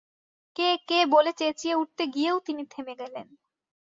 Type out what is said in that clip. কে কে বলে চেঁচিয়ে উঠতে গিয়েও তিনি থেমে গেলেন।